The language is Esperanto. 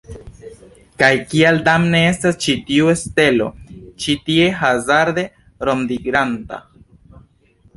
Kaj kial damne estas ĉi tiu stelo ĉi tie, hazarde rondiranta?